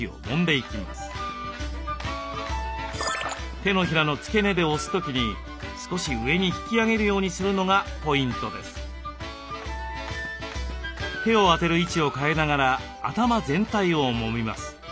手のひらの付け根で押す時に手を当てる位置を変えながら頭全体をもみます。